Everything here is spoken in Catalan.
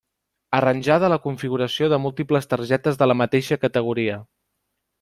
Arranjada la configuració de múltiples targetes de la mateixa categoria.